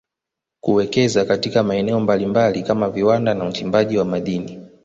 kuwekeza katika maeneo mbalimbali kama viwanda na uchimbaji wa madini